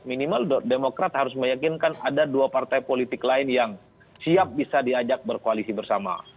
minimal demokrat harus meyakinkan ada dua partai politik lain yang siap bisa diajak berkoalisi bersama